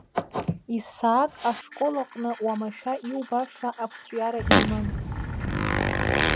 Исаак ашкол аҟны уамашәа иубаша ақәҿиара иман.